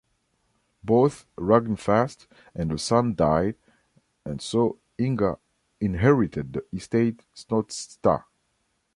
Both Ragnfast and the son died and so Inga inherited the estate Snottsta.